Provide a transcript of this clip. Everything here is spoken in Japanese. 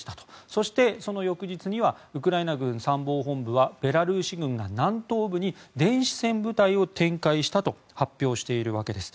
そしてその翌日にはウクライナ軍参謀本部はベラルーシ軍が南東部に電子戦部隊を展開したと発表しているわけです。